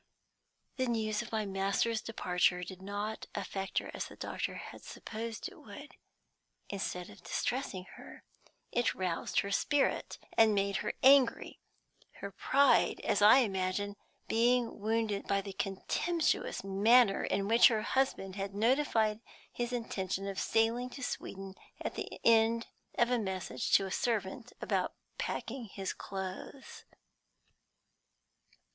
The news of my master's departure did not affect her as the doctor had supposed it would. Instead of distressing her, it roused her spirit and made her angry; her pride, as I imagine, being wounded by the contemptuous manner in which her husband had notified his intention of sailing to Sweden at the end of a message to a servant about packing his clothes.